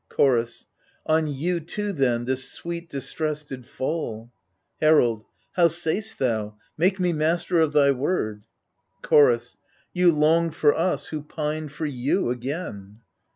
Chorus On you too then this sweet distress did fall Herald How sa/st thou ? make me master of thy word. Chorus You longed for us who pined for you again.